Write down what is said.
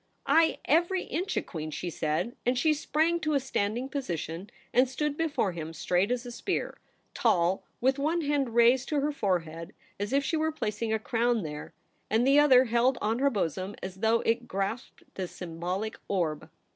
* Ay, every inch a queen !' she said ; and she sprang to a standing position, and stood before him straight as a spear, tall, with one hand raised to her forehead as if she were placing a crown there, and the other held on her bosom as though it grasped the symbolic orb.